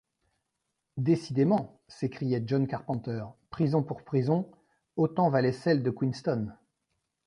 Décidément, s’écriait John Carpenter, prison pour prison, autant valait celle de Queenstown!...